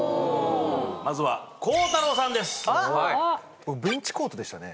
まずは孝太郎さんです